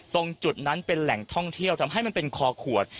ตรงจุดนั้นเป็นแหล่งท่องเที่ยวทำให้มันเป็นคอขวด